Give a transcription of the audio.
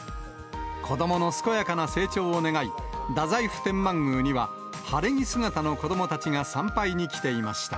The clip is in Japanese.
子どもの健やかな成長を願い、太宰府天満宮には晴れ着姿の子どもたちが参拝に来ていました。